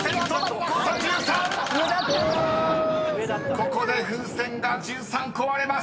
［ここで風船が１３個割れます］